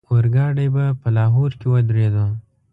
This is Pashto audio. اورګاډی به په لاهور کې ودرېدو.